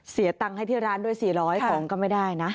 เสียตังค์ให้ที่ร้านด้วย๔๐๐ของก็ไม่ได้นะ